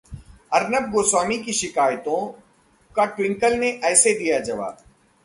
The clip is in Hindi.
अरनब गोस्वामी की शिकायतों का ट्विंकल ने ऐसे दिया जवाब!